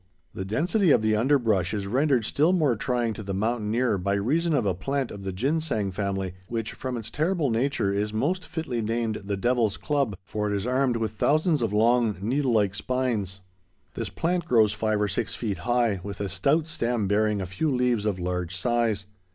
The density of the underbrush is rendered still more trying to the mountaineer by reason of a plant of the Ginseng family, which from its terrible nature is most fitly named the Devil's Club, for it is armed with thousands of long needle like spines. This plant grows five or six feet high, with a stout stem bearing a few leaves of large size.